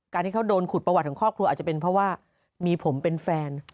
ที่เขาโดนขุดประวัติของครอบครัวอาจจะเป็นเพราะว่ามีผมเป็นแฟน